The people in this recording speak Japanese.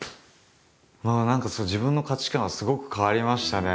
何か自分の価値観はすごく変わりましたね。